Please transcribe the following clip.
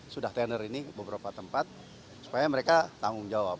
sudah tender ini beberapa tempat supaya mereka tanggung jawab